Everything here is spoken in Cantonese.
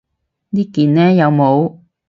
呢件呢？有帽